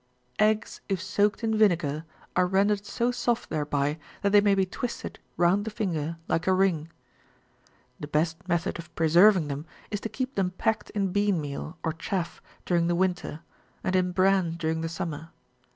Eggs, if soaked in vinegar, are rendered so soft thereby, that they may be twisted ^^ round the finger like a ring. The best method of preserving them is to keep them packed in bean meal, or chaff, during the winter, and in bran during the summer.